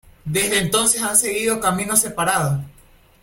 Desde entonces han seguido caminos separados.